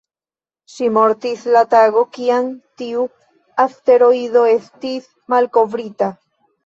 Ŝi mortis la tago, kiam tiu asteroido estis malkovrita.